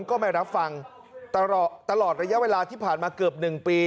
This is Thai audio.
ก็ไม่รับฟังตลอดระยะเวลาที่ผ่านมาเกือบ๑ปี